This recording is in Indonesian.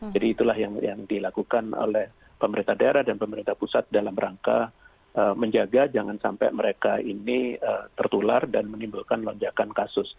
itulah yang dilakukan oleh pemerintah daerah dan pemerintah pusat dalam rangka menjaga jangan sampai mereka ini tertular dan menimbulkan lonjakan kasus